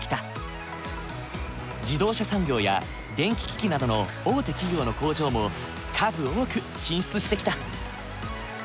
自動車産業や電気機器などの大手企業の工場も数多く進出してきた。